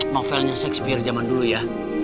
mofelnya shakespeare zaman dulu ya